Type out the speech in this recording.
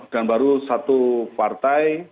dan baru satu partai